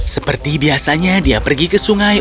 seperti biasanya dia pergi ke sungai